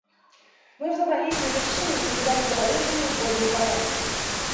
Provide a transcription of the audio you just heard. Мы взобрались на вершину и увидали заболоченную горную поляну.